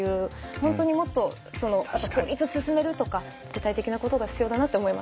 本当にもっとその法律進めるとか具体的なことが必要だなって思いました。